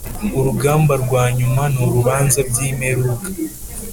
Urugamba rwa nyuma n’urubanza by’imperuka